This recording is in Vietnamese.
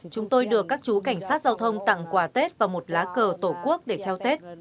chúng tôi được các chú cảnh sát giao thông tặng quà tết và một lá cờ tổ quốc để trao tết